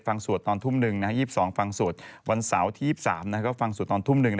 ๒๑ฟังสวดตอนทุ่ม๑๒๒ฟังสวดวันเสาร์ที่๒๓ฟังสวดตอนทุ่ม๑